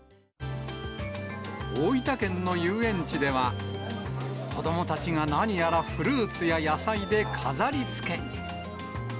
大分県の遊園地では、子どもたちが何やらフルーツや野菜で飾りつけ。